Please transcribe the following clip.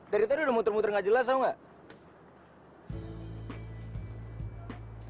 dari tadi udah muter muter gak jelas tau gak